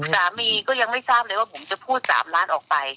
สามีก็ยังไม่ทราบเลยว่าผมจะพูด๓ล้านออกไป